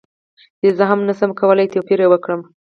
چې زه هم نشم کولی توپیر وکړم